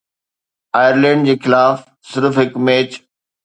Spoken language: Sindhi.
آئرلينڊ جي خلاف صرف هڪ ميچ